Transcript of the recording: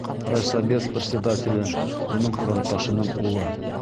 Райсобес председателе уның фронтташының улы.